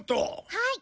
はい。